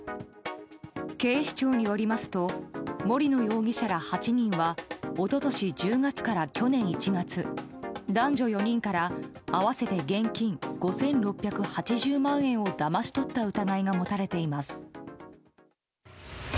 警視庁によりますと森野容疑者ら８人は一昨年１０月から去年１月男女４人から合わせて現金５６８０万円をだまし取った疑いが持たれています。